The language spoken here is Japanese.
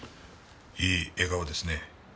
いい笑顔ですね。